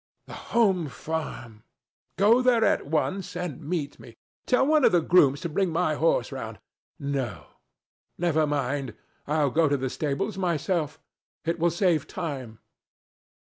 "The Home Farm! Go there at once and meet me. Tell one of the grooms to bring my horse round. No. Never mind. I'll go to the stables myself. It will save time."